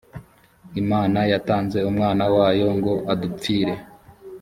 imana yatanze umwana wayo ngo adupfire.